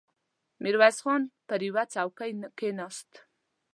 ميرويس خان پر يوه څوکۍ کېناست.